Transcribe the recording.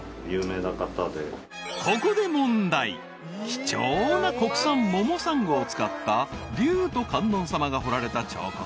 ［貴重な国産モモサンゴを使った竜と観音様が彫られた彫刻。